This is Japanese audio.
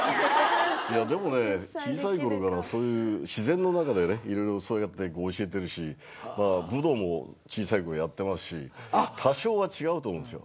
でもね小さいころからそういう自然の中でね色々そうやって教えてるし武道も小さいころやってますし多少は違うと思うんですよ。